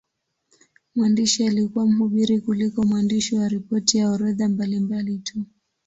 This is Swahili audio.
Mwandishi alikuwa mhubiri kuliko mwandishi wa ripoti na orodha mbalimbali tu.